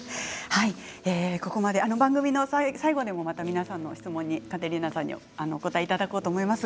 ここまで、番組の最後にもまた皆さんの質問にカテリーナさんにお答えいただこうと思います。